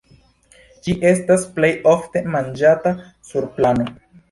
Ĝi estas plej ofte manĝata sur pano.